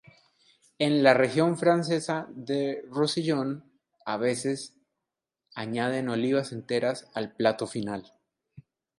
En la región francesa del Rosellón a veces añaden olivas enteras al plato final.